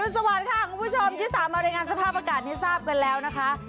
สวัสดีค่ะคุณผู้ชมที่สามารถรายงานสภาพอากาศให้ทราบกันแล้วนะคะ